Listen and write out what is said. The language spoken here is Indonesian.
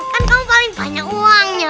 kan kamu paling banyak uangnya